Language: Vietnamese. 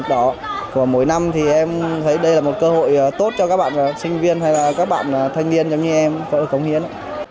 trở thành ngày hội tốt cho các bạn sinh viên hay các bạn thanh niên giống như em cộng hiến